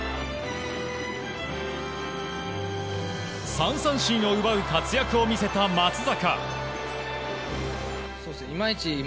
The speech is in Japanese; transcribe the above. ３三振を奪う活躍を見せた松坂。